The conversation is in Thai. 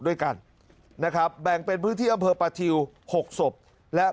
ด้วยกันนะครับแบ่งเป็นพื้นที่อำเภอประทิวหกศพและ